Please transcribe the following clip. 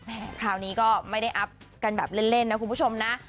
คราวนี้ก็ไม่ได้อัพกันแบบเล่นนะคุณผู้ชมนะ